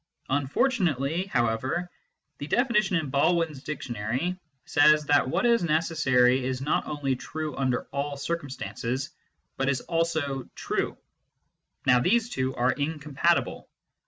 Unfortunately, however, the definition in Baldwin s Dictionary says that what is necessary is not only " true under all circumstances " Bjit is also " true." Now these two are incompatible.